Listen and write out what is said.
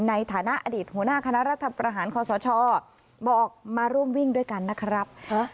ในฐานะอดีตหัวหน้าคณะรัฐประหารคอสชบอกมาร่วมวิ่งด้วยกันนะครับ